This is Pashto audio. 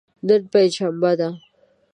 نن پنج شنبه ده.